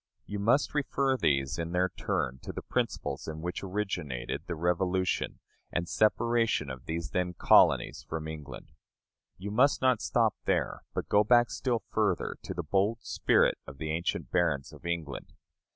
You must refer these in their turn to the principles in which originated the Revolution and separation of these then colonies from England. You must not stop there, but go back still further, to the bold spirit of the ancient barons of England.